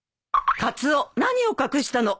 カツオ何を隠したの？